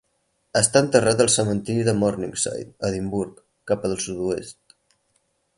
Està enterrat al cementiri de Morningside, Edimburg, cap al sud-oest.